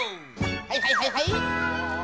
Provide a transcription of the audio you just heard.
はいはいはいはい。